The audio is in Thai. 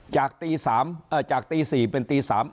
จากตีสามเอ่อจากตีสี่เป็นตีสาม